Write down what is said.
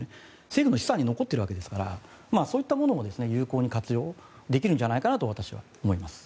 政府の資産に残ってるわけですからそういったものも有効に活用できるんじゃないかと私は思います。